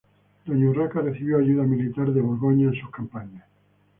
Doña Urraca recibió ayuda militar de Borgoña en sus campañas.